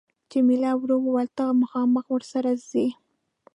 جميله ورو وویل ته خامخا ورسره ځې.